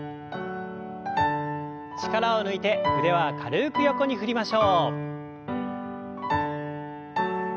力を抜いて腕は軽く横に振りましょう。